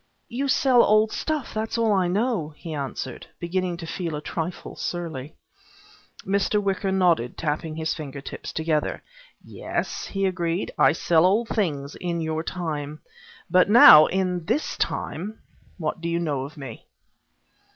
"You sell old stuff. That's all I know," he answered, beginning to feel a trifle surly. Mr. Wicker nodded, tapping his fingertips together. "Yes," he agreed, "I sell old things in your time. But now in this time, what do you know of me?"